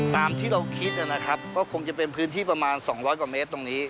ตามที่เราคิดนะครับก็คงจะเป็นพื้นที่ประมาณ๒๐๐กว่าเมตรตรงนี้